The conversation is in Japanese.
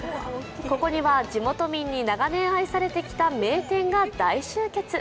ここには地元民に長年愛されてきた名店が大集結。